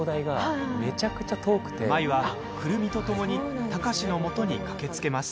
舞は久留美とともに貴司のもとに駆けつけます。